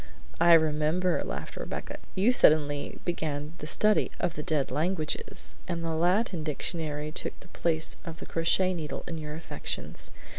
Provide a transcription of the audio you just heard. "I remember," laughed Rebecca. "You suddenly began the study of the dead languages, and the Latin dictionary took the place of the crochet needle in your affections.